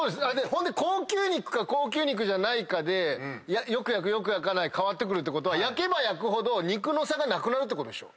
ほんで高級肉か高級肉じゃないかでよく焼くよく焼かない変わるってことは焼けば焼くほど肉の差がなくなるってことでしょ